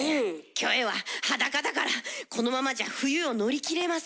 キョエは裸だからこのままじゃ冬を乗り切れません。